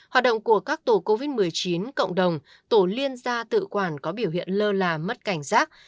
hoạt động của các tổ covid một mươi chín cộng đồng tổ liên gia tự quản có biểu hiện lơ là mất cảnh giác